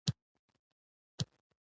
د اتم لي لور الیزابت واک ته ورسېده.